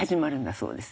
そうです。